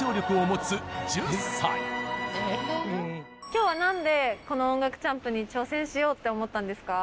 今日はなんでこの『音楽チャンプ』に挑戦しようって思ったんですか？